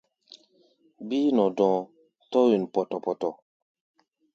Bíí nɔ́ dɔ̧ɔ̧, tɔ̧́ wen pɔtɔ-pɔtɔ.